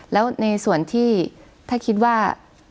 แล้วในส่วนที่ถ้าคิดว่า